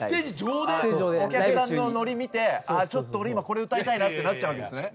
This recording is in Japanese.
お客さんのノリ見てちょっと俺今これ歌いたいなってなっちゃうわけですね。